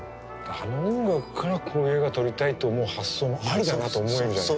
あの音楽からこの映画撮りたいと思う発想もありだなと思えるじゃない。